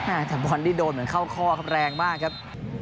แต่บอลนี่โดนเหมือนเข้าข้อครับแรงมากครับ